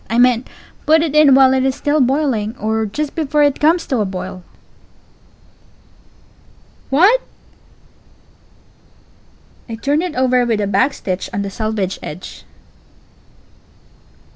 I meant, put it in while it is still boiling or just before it _comes _to a boil. Pause. What? Pause. I turned it over with a backstitch on the selvage edge. Pause.